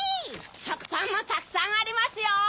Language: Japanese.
しょくパンもたくさんありますよ！